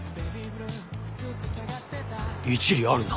一理あるな。